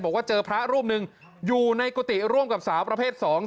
บอกว่าเจอพระรูปหนึ่งอยู่ในกุฏิร่วมกับสาวประเภทสอง